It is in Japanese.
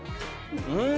うん！